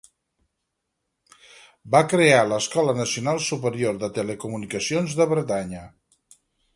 Va crear l'Escola nacional Superior de Telecomunicacions de Bretanya.